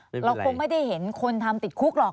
เราคงไม่ได้เห็นคนทำติดคุกหรอก